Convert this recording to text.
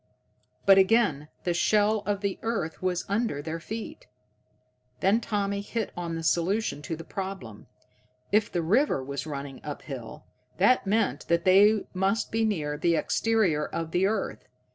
But, again, the shell of the earth was under their feet! Then Tommy hit on the solution to the problem. If the river was running up hill, that meant that they must be near the exterior of the earth.